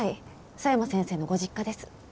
佐山先生のご実家です。